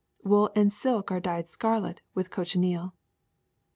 Wool and silk are dyed scarlet with cochineal.